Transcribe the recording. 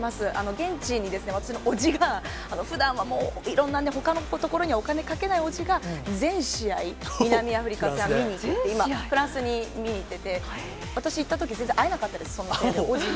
現地にですね、私のおじがふだんはもういろんなほかのところにはお金かけないおじが、全試合、南アフリカ戦は見に行って、今、フランスに見に行ってて、私行ったとき、全然会えなかったんです、そのせいで、おじに。